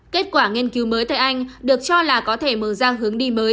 kết quả nghiên cứu mới tại anh được cho là có thể mở ra hướng đi mới